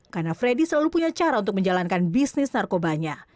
karena freddy selalu punya cara untuk menjalankan bisnis narkobanya